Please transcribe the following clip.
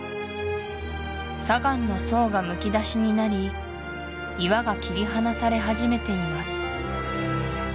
砂岩の層がむき出しになり岩が切り離され始めています